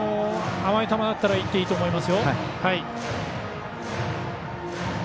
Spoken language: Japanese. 甘い球だったらいっていいと思います。